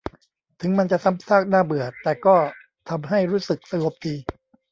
ถึงมันจะซ้ำซากน่าเบื่อแต่ก็ทำให้รู้สึกสงบดี